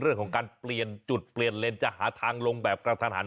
เรื่องของการเปลี่ยนจุดเปลี่ยนเลนจะหาทางลงแบบกระทันหัน